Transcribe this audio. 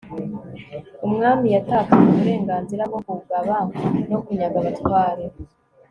umwami yatakaje uburenganzira bwo kugaba no kunyaga abatware